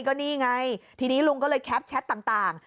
ก็นี่ไงทีนี้ลุงก็เลยแคปแชทต่าง